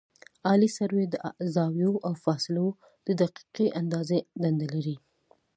عالي سروې د زاویو او فاصلو د دقیقې اندازې دنده لري